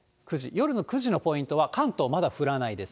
夜の９時のポイントは、関東、まだ降らないです。